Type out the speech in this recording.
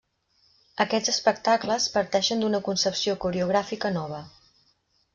Aquests espectacles parteixen d'una concepció coreogràfica nova.